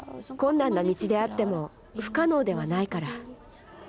困難な道であっても不可能ではないから。